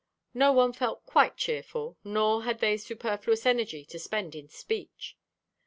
No one felt quite cheerful, nor had superfluous energy to spend in speech.